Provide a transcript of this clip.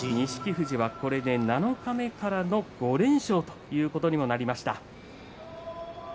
富士は、これで七日目からの５連勝ということになりました。